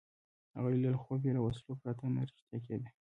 هغه لیدلی خوب یې له وسلو پرته نه رښتیا کېده.